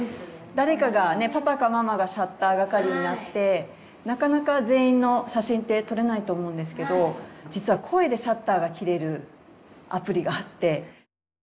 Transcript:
誰かがねパパかママがシャッター係になってなかなか全員の写真って撮れないと思うんですけど実は声でシャッターがきれるアプリがあって。